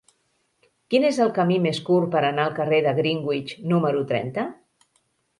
Quin és el camí més curt per anar al carrer de Greenwich número trenta?